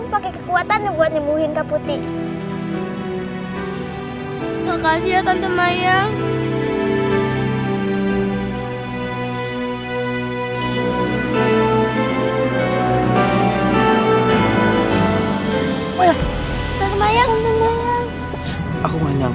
kakak jangan maksain diri